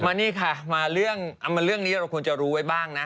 มานี่ค่ะมาเรื่องนี้เราควรจะรู้ไว้บ้างนะ